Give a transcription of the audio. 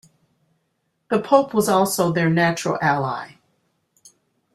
The Pope was also their natural ally.